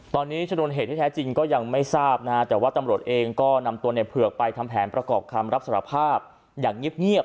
ตอนนี้ชนวนเหตุที่แท้จริงก็ยังไม่ทราบนะฮะแต่ว่าตำรวจเองก็นำตัวในเผือกไปทำแผนประกอบคำรับสารภาพอย่างเงียบ